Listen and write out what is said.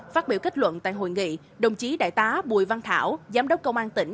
phát biểu kết luận tại hội nghị đồng chí đại tá bùi văn thảo giám đốc công an tỉnh